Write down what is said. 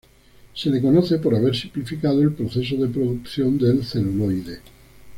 Se le conoce por haber simplificado el proceso de producción del celuloide.